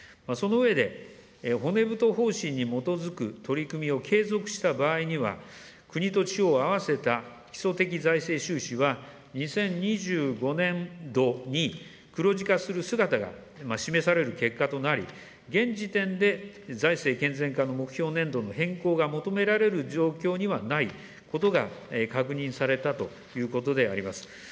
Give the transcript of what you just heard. その上で、骨太方針に基づく取り組みを継続した場合には、国と地方を合わせた基礎的財政収支は２０２５年度に黒字化する姿が示される結果となり、現時点で財政健全化の目標年度の変更が求められる状況にはないことが確認されたということであります。